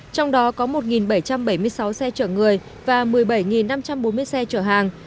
trong đó có một bảy trăm bảy mươi sáu xe chở người và một mươi bảy năm trăm bốn mươi xe chở hàng